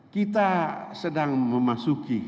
kita sedang memasuki